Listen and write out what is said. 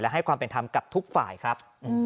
ให้ความเป็นธรรมกับทุกฝ่ายครับ